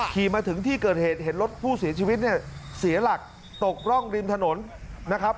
ขี่มาถึงที่เกิดเหตุเห็นรถผู้เสียชีวิตเนี่ยเสียหลักตกร่องริมถนนนะครับ